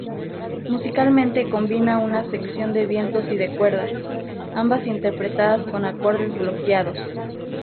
Musicalmente, combina una sección de vientos y de cuerdas, ambas interpretadas con acordes bloqueados.